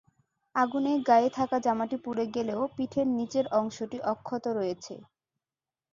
আগুনে গায়ে থাকা জামাটি পুড়ে গেলেও পিঠের নিচের অংশটি অক্ষত রয়েছে।